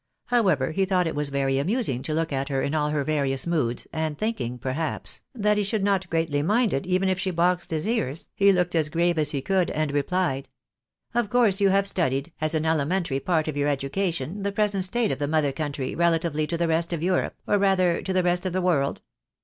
However, he thought it was very amusing to look at her in all her various moods, and thinking, perhaps, that he should not greatly mind it even if she boxed his ears, he looked as grave as he could, and replied —" Of course you have studied, as an elementary part of your education, the present state of the mother country relatively to the rest of Europe, or rather to the rest of the world